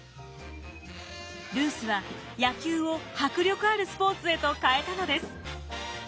ルースは野球を迫力あるスポーツへと変えたのです。